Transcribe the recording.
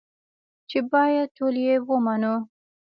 چې بايد ټول يې ومنو.